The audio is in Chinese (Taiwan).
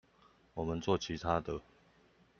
我們做其他的